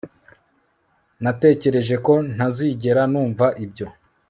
natekereje ko ntazigera numva ibyo